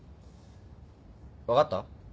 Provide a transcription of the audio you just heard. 分かった？